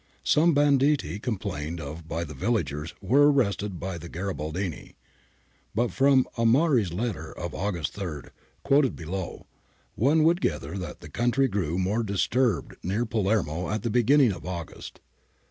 Some banditti complained of by the villagers were arrested by the Garibaldini. But from Amari's letter of August 3, quoted below, one would gather that the country grew more disturbed near Palermo at the beginning of August.